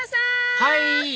はい！